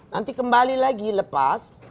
nanti kembali lagi lepas